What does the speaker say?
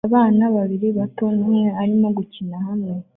Abana babiri bato numwe arimo gukina hamwe